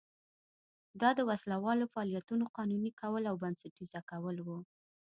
دا د وسله والو فعالیتونو قانوني کول او بنسټیزه کول و.